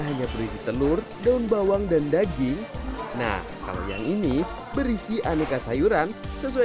hanya berisi telur daun bawang dan daging nah kalau yang ini berisi aneka sayuran sesuai